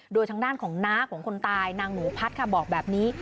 โดยทางด้านของน้าของคนตายนางหนูพัดค่ะบอกแบบนี้